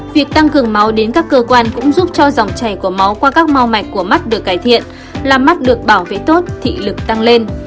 việc tăng cường máu đến các cơ quan cũng giúp cho dòng chảy của máu qua các mau mạch của mắt được cải thiện làm mắt được bảo vệ tốt thị lực tăng lên